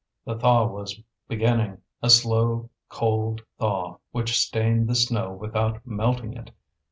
The thaw was beginning, a slow cold thaw which stained the snow without melting it.